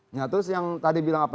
nah terus yang tadi bilang apa